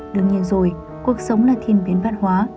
đương nhiên rồi cuộc sống là thiên biến văn hóa